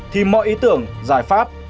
thì mọi ý tưởng giải pháp